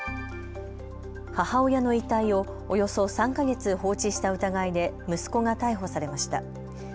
母親の遺体をおよそ３か月放置した疑いで息子が逮捕されました。